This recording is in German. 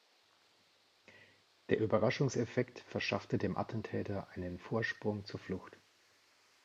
Der Überraschungseffekt verschaffte dem Attentäter einen Vorsprung zur Flucht.